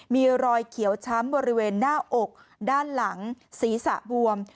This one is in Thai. มีรอยเขียวช้ำบริเวณหน้าอกด้านหลังศีรษะบวม